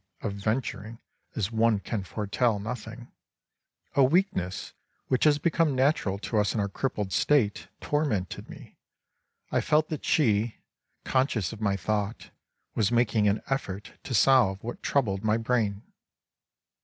} of venturing, as one can foretell nothing), a weakness which has become natural to us in our crippled state, tormented me, I felt that she, conscious of my thought, was making an effort to solve what troubled my brain.